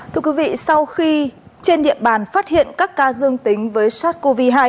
thưa quý vị sau khi trên địa bàn phát hiện các ca dương tính với sars cov hai